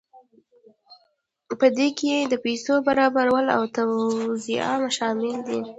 په دې کې د پیسو برابرول او توزیع شامل دي.